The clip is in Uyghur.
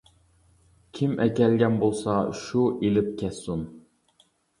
كىم ئەكەلگەن بولسا، شۇ ئېلىپ كەتسۇن.